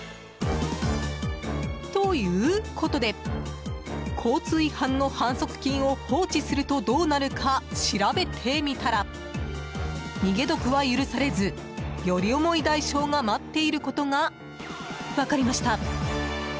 ということで交通違反の反則金を放置するとどうなるか調べてみたら逃げ得は許されずより重い代償が待っていることが分かりました。